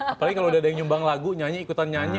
apalagi kalau udah ada yang nyumbang lagu nyanyi ikutan nyanyi